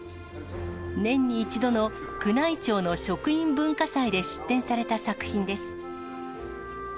年に１度の宮内庁の職員文化祭で出展された作品です。